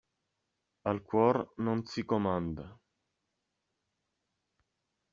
Al cuor non si comanda.